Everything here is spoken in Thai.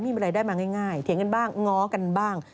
มีอะไรได้มาง่ายเถียงกันบ้างง้อกันบ้าง